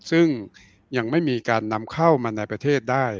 ซึ่งยังไม่มีการนำเข้ามาในประเทศได้